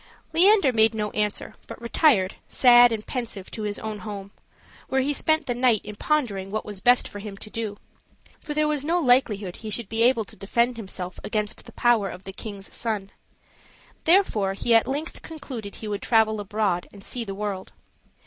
Leander made no answer, but retired sad and pensive to his own home, where he spent the night in pondering what was best for him to do; for there was no likelihood he should be able to defend himself against the power of the king's son; therefore he at length concluded he would travel abroad and see the world.